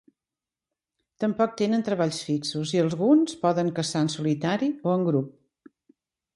Tampoc tenen treballs fixos i alguns poden caçar en solitari o en grup.